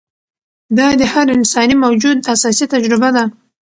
دا د هر انساني موجود اساسي تجربه ده.